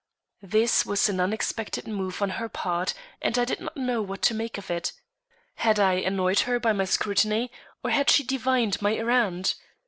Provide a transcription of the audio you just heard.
This was an unexpected move on her part, and I did not know what to make of it. Had I annoyed her by my scrutiny, or had she divined my errand?